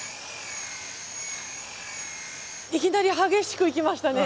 いきなり激しくいきましたね。